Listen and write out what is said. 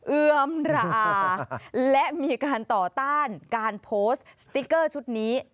เอื้อมราและมีการต่อต้านการโพสต์สติ๊กเกอร์ชุดนี้